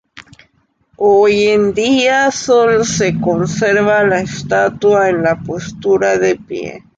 Hoy en día, solo se conserva la estatua en la postura de pie.